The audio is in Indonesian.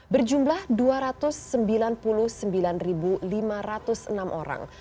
berjumlah dua ratus sembilan puluh sembilan lima ratus enam orang